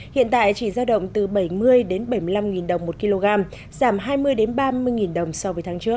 hiện tại chỉ giao động từ bảy mươi bảy mươi năm đồng một kg giảm hai mươi ba mươi đồng so với tháng trước